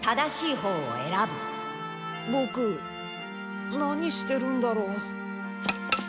ボク何してるんだろう？